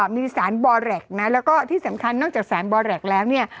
มีสารบอแรคนะแล้วก็ที่สำคัญนอกจากสารบอแรกแล้วเนี่ย